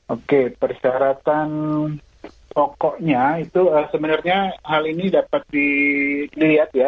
oke persyaratan pokoknya itu sebenarnya hal ini dapat dilihat ya